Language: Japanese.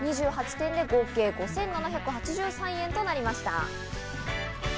合計５７８３円となりました。